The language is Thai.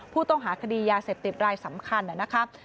ผู้ต้องหาคดียาเสพติดรายสำคัญนะครับ